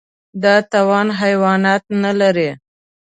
دا توان حیوانات نهلري.